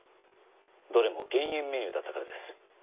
どれも減塩メニューだったからです。